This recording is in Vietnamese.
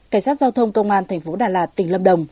cảnh sát giao thông công an tp đà lạt tỉnh lâm đồng